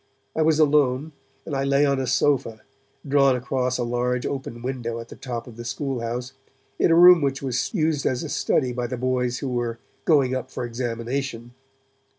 I was alone, and I lay on a sofa, drawn across a large open window at the top of the school house, in a room which was used as a study by the boys who were 'going up for examination'.